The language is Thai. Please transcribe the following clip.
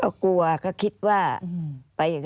อันดับ๖๓๕จัดใช้วิจิตร